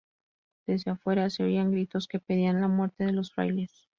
Desde afuera se oían gritos que pedían la muerte de los frailes.